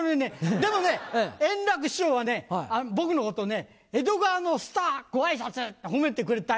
でも円楽師匠は僕のことね「江戸川のスターご挨拶！」って褒めてくれたよ。